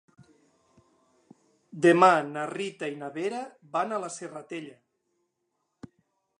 Demà na Rita i na Vera van a la Serratella.